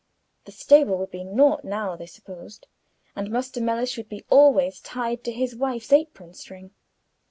The stable would be naught now, they supposed, and Muster Mellish would be always tied to his wife's apron string.